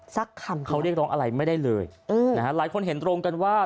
สักคำเขาเรียกร้องอะไรไม่ได้เลยอืมนะฮะหลายคนเห็นตรงกันว่า